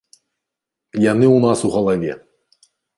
Яны ў нас у галаве.